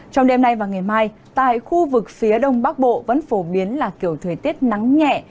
trong đêm nay và ngày mai tại khu vực phía đông bắc bộ vẫn phổ biến là kiểu thời tiết nắng nhẹ